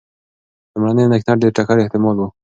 لومړنۍ اندېښنه د ټکر احتمال و.